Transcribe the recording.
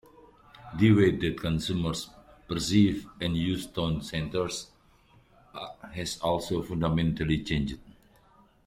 The way that consumers perceive and use town centres has also fundamentally changed.